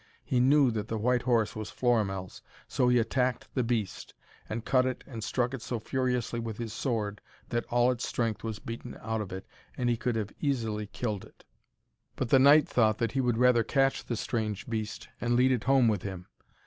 He knew that the white horse was Florimell's, so he attacked the beast, and cut it and struck it so furiously with his sword that all its strength was beaten out of it and he could easily have killed it. But the knight thought that he would rather catch the strange beast and lead it home with him.